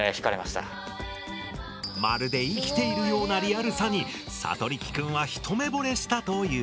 まるで生きているようなリアルさにサトリキくんは一目ぼれしたという。